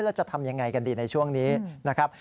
แล้วจะทำยังไงกันดีในช่วงนี้นะครับ